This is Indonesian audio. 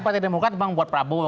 partai demokrat memang buat prabowo